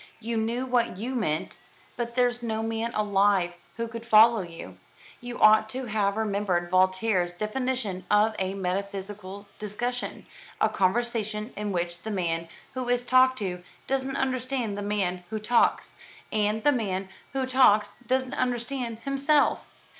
You knew what you meant, but there's no man alive who could follow you. You ought to have remembered Voltaire's definition of a metaphysical discussion, a conversation in which the man who is talked to doesn't understand the man who talks, and the man who talks doesn't understand himself.